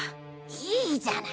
いいじゃない。